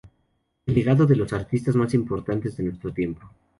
El legado de los artistas más importantes de nuestro tiempo.